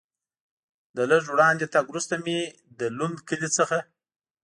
له لږ وړاندې تګ وروسته مې له لوند کلي څخه.